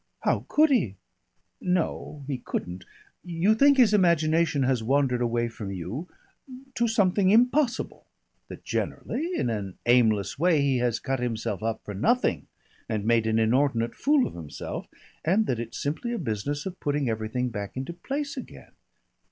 "How could he?" "No he couldn't. You think his imagination has wandered away from you to something impossible. That generally, in an aimless way, he has cut himself up for nothing, and made an inordinate fool of himself, and that it's simply a business of putting everything back into place again."